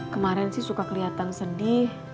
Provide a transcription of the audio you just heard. kemarin sih suka kelihatan sedih